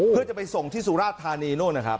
เพื่อจะไปส่งที่สุราชธานีโน่นนะครับ